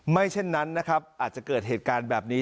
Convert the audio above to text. เช่นนั้นนะครับอาจจะเกิดเหตุการณ์แบบนี้